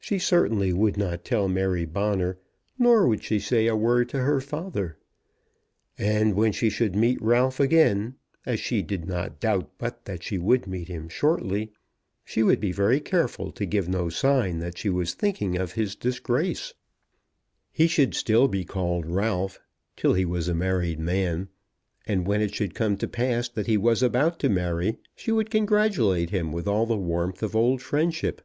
She certainly would not tell Mary Bonner, nor would she say a word to her father. And when she should meet Ralph again, as she did not doubt but that she would meet him shortly, she would be very careful to give no sign that she was thinking of his disgrace. He should still be called Ralph, till he was a married man; and when it should come to pass that he was about to marry she would congratulate him with all the warmth of old friendship.